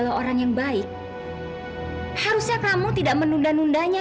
tante perlu aku ng seneng tante ya